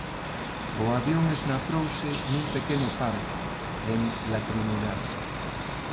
O avión esnafrouse nun pequeno parque en La Trinidad.